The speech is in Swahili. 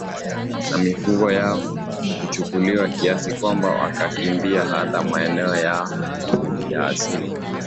na mifugo yao kuchukuliwa kiasi kwamba wakakimbia hata maeneo yao ya asili